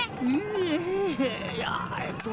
えいやえっと。